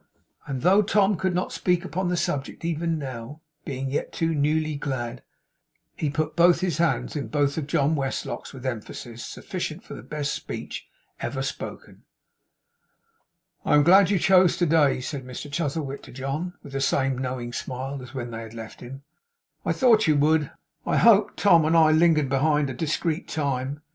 And though Tom could not speak upon the subject even now; being yet too newly glad, he put both his hands in both of John's with emphasis sufficient for the best speech ever spoken. 'I am glad you chose to day,' said Mr Chuzzlewit to John; with the same knowing smile as when they had left him. 'I thought you would. I hoped Tom and I lingered behind a discreet time.